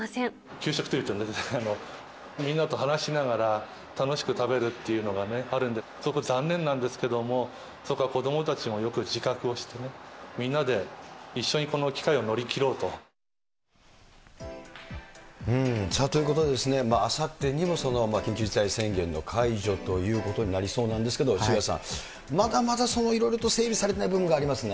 給食というと、みんなと話しながら、楽しく食べるっていうのがあるんですが、すごく残念なんですけれども、そこは子どもたちもよく自覚をしてね、みんなで一緒にこの機会を乗り切ろうと。ということで、あさってにも緊急事態宣言の解除ということになりそうなんですけど、渋谷さん、まだまだ、いろいろと整備されていない部分がありますね。